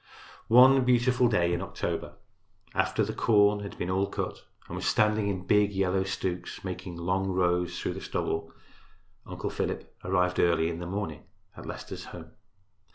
One beautiful day in October, after the corn had been all cut and was standing in big yellow stooks, making long rows through the stubble, Uncle Philip arrived early in the morning at Leicester's home.